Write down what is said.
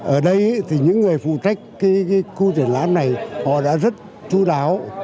ở đây thì những người phụ trách khu di tích này họ đã rất chú đáo